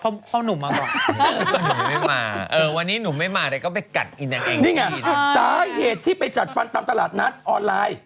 งั้นเนี่ยสาเหตุที่ไปจัดความตามตลาดเนาะออไลน์